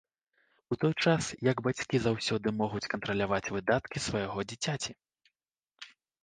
У той час як бацькі заўсёды могуць кантраляваць выдаткі свайго дзіцяці.